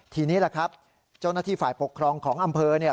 ทีนี้แหละครับเจ้าหน้าที่ฝ่ายปกครองของอำเภอเนี่ย